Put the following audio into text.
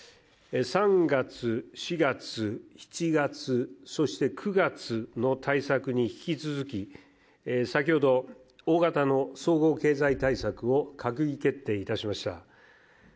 ３月、４月、７月、そして９月の対策に引き続き、先ほど大型の総合経済対策を閣議決定いたしました。